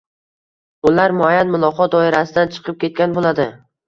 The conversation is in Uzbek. Ular muayyan muloqot doirasidan chiqib ketgan boʻladi